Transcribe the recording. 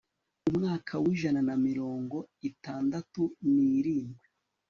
umwaka w'ijana na mirongo itandatu n'irindwi